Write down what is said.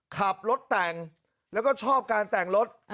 ขับรถแต่งแล้วก็ชอบการแต่งรถ